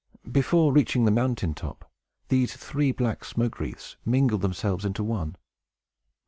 Before reaching the mountain top, these three black smoke wreaths mingled themselves into one.